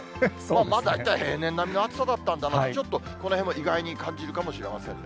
まあ、大体平年並みの暑さだったんだなと、ちょっとこのへんも意外に感分かりました。